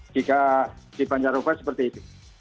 jika di pancar rupa seperti itu